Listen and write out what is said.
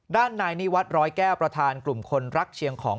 ด้านนายนิวัตรร้อยแก้วประธานกลุ่มคนรักเชียงของ